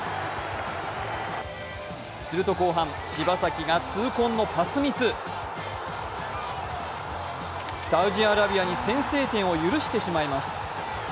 すると後半、柴崎が痛恨のパスミスサウジアラビアに先制点を許してしまいます。